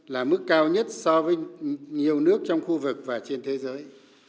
là mức cao nhất so với nhiều nước trong khu vực và trên thế giới